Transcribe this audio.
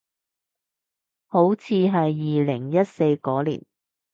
好似係二零一四嗰年